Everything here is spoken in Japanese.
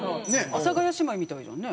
阿佐ヶ谷姉妹みたいじゃんね。